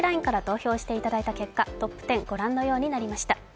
ＬＩＮＥから投票していただいた結果、トップ１０、御覧のようになりました